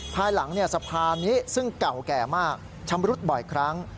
ภายหลังสะพานนี้ซึ่งเก่าแก่มากชำรุดบ่อยครั้ง